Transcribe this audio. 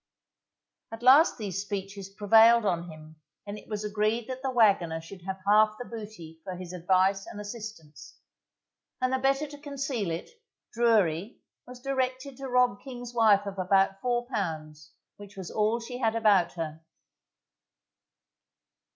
_ At last these speeches prevailed on him, and it was agreed that the wagoner should have half the booty for his advice and assistance; and the better to conceal it, Drury, was directed to rob King's wife of about four pounds, which was all she had about her.